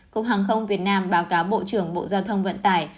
cục hàng không việt nam báo cáo bộ trưởng bộ giao thông vận tải